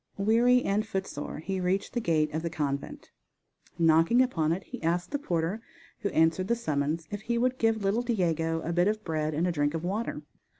Weary and footsore he reached the gate of the convent. Knocking upon it he asked the porter, who answered the summons, if he would give little Diego a bit of bread and a drink of water.